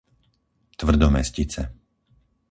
Tvrdomestice